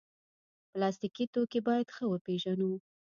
پلاستيکي توکي باید ښه وپیژنو.